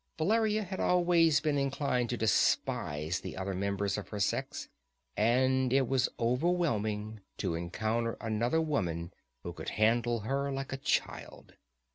Valeria had always been inclined to despise the other members of her sex; and it was overwhelming to encounter another woman who could handle her like a child.